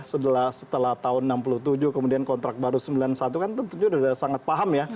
setelah tahun enam puluh tujuh kemudian kontrak baru sembilan puluh satu kan tentunya udah sangat paham ya